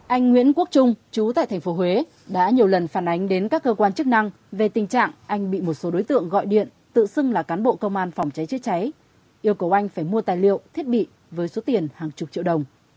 anh nguyễn quốc trung chú tại tp huế đã nhiều lần phản ánh đến các cơ quan chức năng về tình trạng anh bị một số đối tượng gọi điện tự xưng là cán bộ công an phòng cháy chữa cháy yêu cầu anh phải mua tài liệu thiết bị với số tiền hàng chục triệu đồng